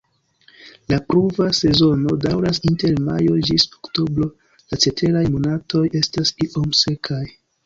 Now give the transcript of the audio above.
La pluva sezono daŭras inter majo ĝis oktobro, la ceteraj monatoj estas iom sekaj.